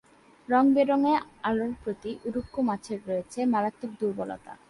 রঙ-বেরঙের আলোর প্রতি উড়ুক্কু মাছের রয়েছে মারাত্মক দুর্বলতা।